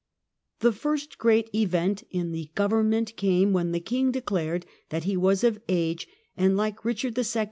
The first great event in the government came when the King declared that he was of age, and like Kichard Charles de II.